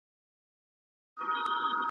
یوې ښځي وه د سر وېښته شکولي .